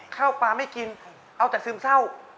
ข้าวปลาไม่กินเอาแต่ซึมเศร้า